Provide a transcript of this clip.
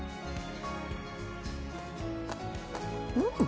うん。